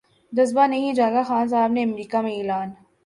جذبہ نہیں جاگا خان صاحب نے امریکہ میں اعلان